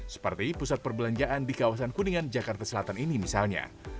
seperti pusat perbelanjaan di kawasan kuningan jakarta selatan ini misalnya